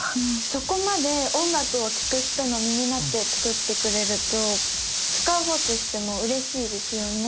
そこまで音楽を聴く人の身になって作ってくれると使う方としても嬉しいですよね